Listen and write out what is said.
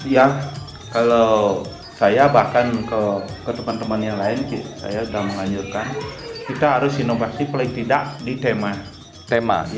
ya kalau saya bahkan ke teman teman yang lain saya sudah menganjurkan kita harus inovasi paling tidak di tema